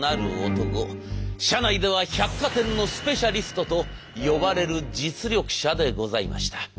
社内では「百貨店のスペシャリスト」と呼ばれる実力者でございました。